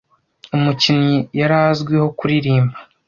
Umukinnyi yari azwi ho Kuririmba